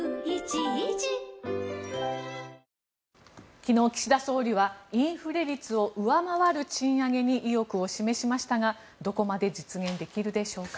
昨日、岸田総理はインフレ率を上回る賃上げに意欲を示しましたがどこまで実現できるでしょうか。